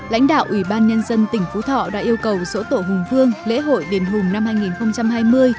lãnh đạo ủy ban nhân dân tỉnh phú thọ đã yêu cầu sổ tổ hùng vương lễ hội đền hùng năm hai nghìn hai mươi